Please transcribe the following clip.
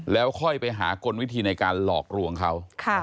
แล้วค่อยไปหากลวิธีในการหลอกลวงเขา